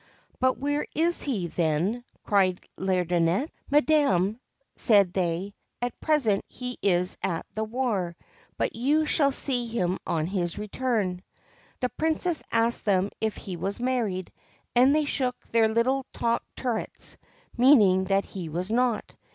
1 But where is he, then ?' cried Laideronnette. 136 THE GREEN SERPENT ' Madam/ said they, ' at present he is at the war ; but you shall see him on his return.' The Princess asked them if he was married, and they shook their little top turrets, meaning that he was not.